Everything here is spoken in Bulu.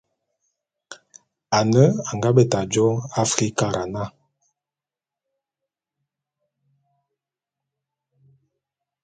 Ane a nga beta jô Afrikara na.